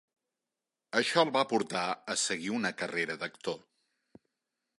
Això el va portar a seguir una carrera d'actor.